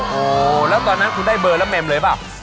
โหแล้วตอนนั้นคุณได้เบอร์และเมมเลยหรือเปล่า